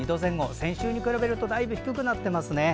先週に比べるとだいぶ低くなっていますね。